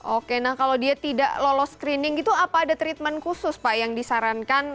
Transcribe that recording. oke nah kalau dia tidak lolos screening gitu apa ada treatment khusus pak yang disarankan